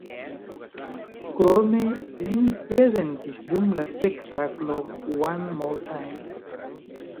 Krome li prezentis dum la spektaklo "One Mo’ Time".